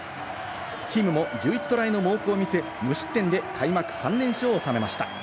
チームも１１トライの猛攻を見せ、無失点で開幕３連勝を収めました。